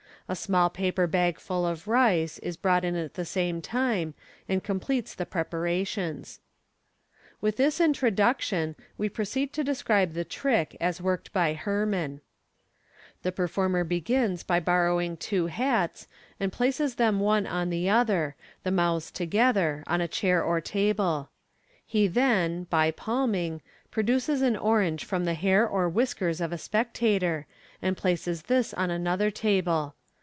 A small paper bag full of rice is brought in at the same time, and completes the prepara tions. With this introduction, we proceed to describe the trie* *s worked by Herrman. Fig. 165. MODERN MA GIC. 339 The performer begins by borrowing two hats, and places them one on the other, the mouths together, on a chair or table. He then (by palming) produces an orange from the hair or whiskers of a spectator, and places this on another table.